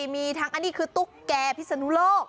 มีทั้งอันนี้คือตุ๊กแก่พิศนุโลก